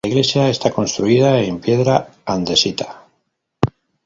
La iglesia está construida en piedra andesita.